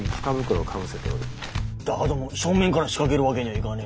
だども正面から仕掛けるわけにはいがねえ。